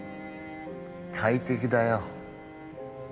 快適だよ。